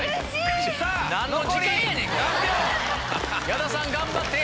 矢田さん頑張って！